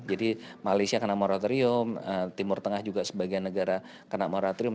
jadi malaysia kena moratorium timur tengah juga sebagai negara kena moratorium